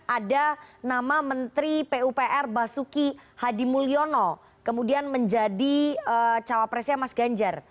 ada nama menteri pupr basuki hadimulyono kemudian menjadi cawapresnya mas ganjar